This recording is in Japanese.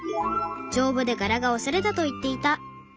じょうぶで柄がおしゃれだと言っていた。